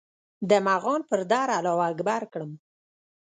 د مغان پر در الله اکبر کړم